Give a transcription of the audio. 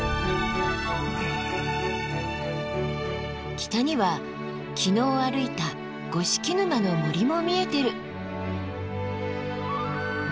北には昨日歩いた五色沼の森も見えてる。